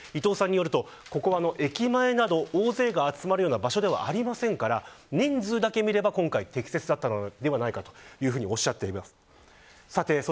ここは駅前など、大勢が集まれる場所ではありませんから人数だけ見れば今回は適切だったのではないかとおっしゃっています。